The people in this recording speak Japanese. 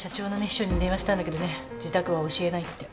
秘書に電話したんだけどね自宅は教えないって。